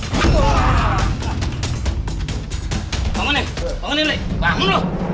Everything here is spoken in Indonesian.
bangun ini bangun ini bangun lu